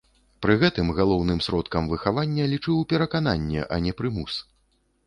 Пры гэтым галоўным сродкам выхавання лічыў перакананне, а не прымус.